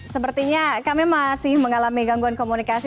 sepertinya kami masih mengalami gangguan komunikasi